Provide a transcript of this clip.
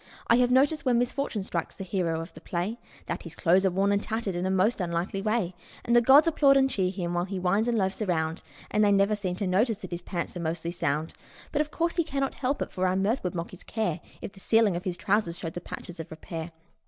I have noticed when misfortune strikes the hero of the play That his clothes are worn and tattered in a most unlikely way ; And the gods applaud and cheer him while he whines and loafs around, But they never seem to notice that his pants are mostly sound ; Yet, of course, he cannot help it, for our mirth would mock his care If the ceiling of his trousers showed the patches of repair.